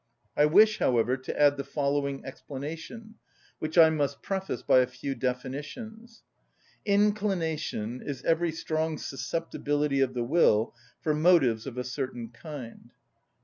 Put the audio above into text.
I wish, however, to add the following explanation, which I must preface by a few definitions. Inclination is every strong susceptibility of the will for motives of a certain kind.